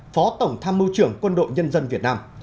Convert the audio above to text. phó tổng tham mưu trưởng quân đội nhân dân việt nam